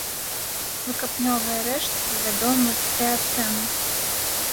Выкапнёвыя рэшткі вядомы з эацэну.